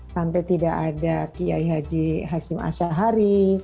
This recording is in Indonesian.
sampai tidak ada kiai haji hashim ashahari